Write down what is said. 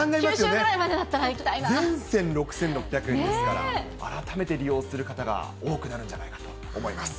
九州ぐらいまでなら行きたい全線６６００円ですから、改めて利用する方が多くなるんじゃないかと思います。